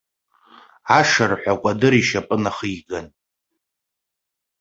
Ашырҳәа акәадыр ишьапы нахиган.